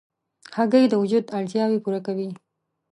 هګۍ د وجود اړتیاوې پوره کوي.